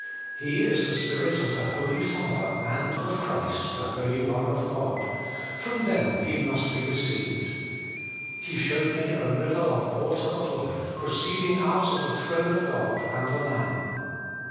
He is the Spirit of the Holy Father, and of Christ, the Holy One of God : from them He must be received. ' He showed me a river of water of life proceeding out of the throne of God and the Lamb.'